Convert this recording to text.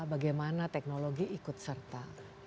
bagaimana teknologi ikut serta